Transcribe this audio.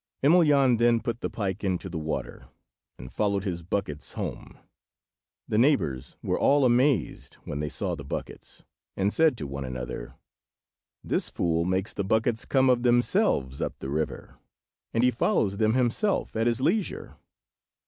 Emelyan then put the pike into the water, and followed his buckets home. The neighbours were all amazed when they saw the buckets, and said to one another— "This fool makes the buckets come of themselves up from the river, and he follows them himself at his leisure."